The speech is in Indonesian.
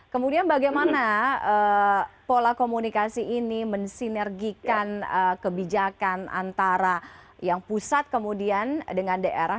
kemudian bagaimana pola komunikasi ini mensinergikan kebijakan antara yang pusat kemudian dengan daerah